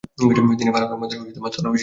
তিনি ফারুক আহমেদের স্থলাভিষিক্ত হন।